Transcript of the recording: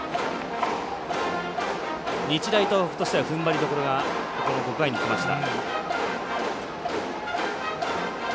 日大東北としてはふんばりどころが５回にきました。